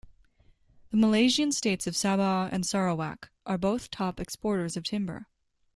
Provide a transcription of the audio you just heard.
The Malaysian states of Sabah and Sarawak are both top exporters of timber.